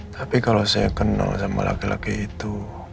tapi kalau saya kenal sama laki laki itu